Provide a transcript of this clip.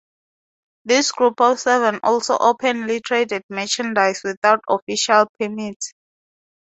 This group of seven also openly traded merchandise without official permits.